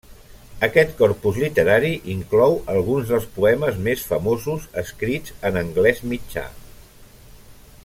Aquest corpus literari inclou alguns dels poemes més famosos escrits en anglès mitjà.